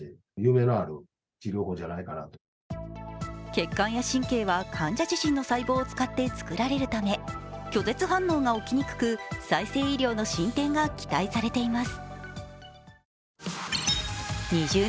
血管や神経は患者自身の細胞を使って作られるため、拒絶反応が起きにくく、再生医療の進展が期待されています。